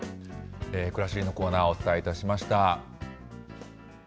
くらしりのコーナー、お伝えいたしました。